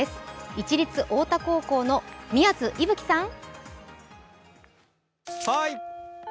市立太田高校の宮津伊吹さん！